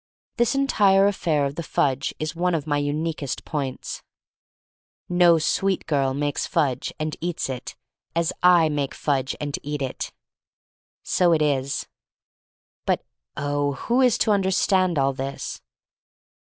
This entire affair of the fudge is one of my uniquest points. THE STORY OF MARY MAC LANE 265 No sweet girl makes fudge and eats it, as I make fudge and eat it. So it is. But, oh — who is to understand all this?